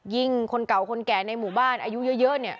คนเก่าคนแก่ในหมู่บ้านอายุเยอะเนี่ย